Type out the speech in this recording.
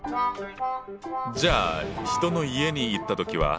じゃあ人の家に行った時は？